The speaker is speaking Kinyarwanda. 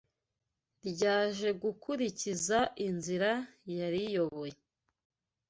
ryaje gukurikiza inzira yariyoboye